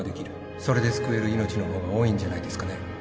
それで救える命の方が多いんじゃないですかね？